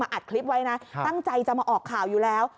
อัดคลิปไว้นะตั้งใจจะมาออกข่าวอยู่แล้ว